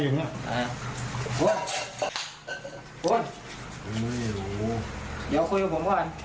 เดี๋ยวคุยกับผมก่อน